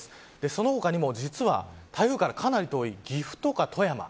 その他にも、実は台風からかなり遠い岐阜とか富山